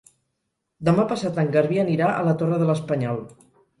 Demà passat en Garbí anirà a la Torre de l'Espanyol.